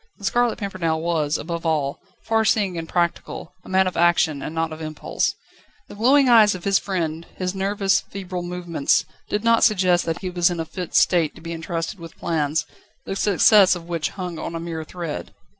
The Scarlet Pimpernel was, above all, far seeing and practical, a man of action and not of impulse. The glowing eyes of his friend, his nervous, febrile movements, did not suggest that he was in a fit state to be entrusted with plans, the success of which hung on a mere thread.